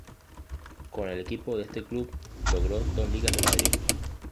Con el equipo de este club logró dos ligas de Madrid.